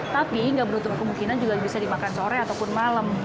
tapi nggak menutup kemungkinan juga bisa dimakan sore ataupun malam